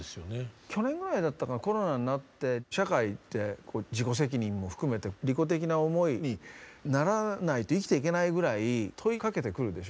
去年くらいだったかコロナになって社会って自己責任も含めて利己的な思いにならないと生きていけないぐらい問いかけてくるでしょ？